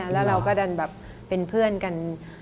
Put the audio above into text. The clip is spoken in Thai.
และเราก็เป็นเพื่อนกัน